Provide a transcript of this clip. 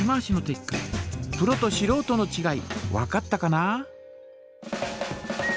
プロとしろうとのちがいわかったかな？